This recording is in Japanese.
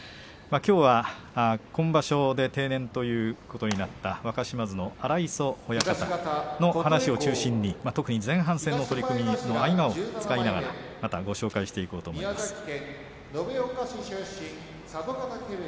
きょうは今場所で定年ということになった若嶋津の荒磯親方の話を中心に特に前半戦の取組の合間を使いながらまたご紹介していこうと思います。